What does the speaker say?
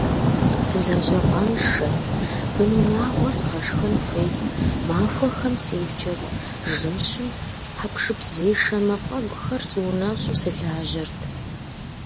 Сылэжьапӏэншэт, бынунагъуэр згъашхэн хуейт, махуэхэм седжэрт, жэщым хьэпшыпзешэ мафӏэгухэр сыунэщӏу сылажьэрт.